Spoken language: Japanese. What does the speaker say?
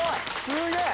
すげえ！